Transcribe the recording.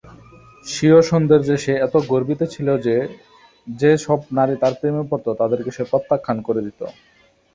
স্বীয় সৌন্দর্যে সে এত গর্বিত ছিল যে যে-সব নারী তার প্রেমে পড়ত তাদেরকে সে প্রত্যাখ্যান করে দিত।